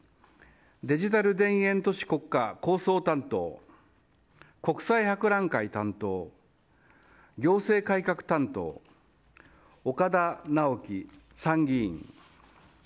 デジタル田園都市国家構想担当国際博覧会担当、行政改革担当岡田直樹参議員。